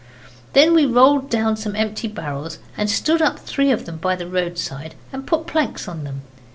Then we rolled down some empty barrels and stood up three of them by the roadside, and put planks on them.